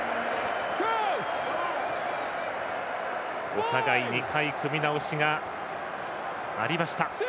お互い２回組み直しがありました。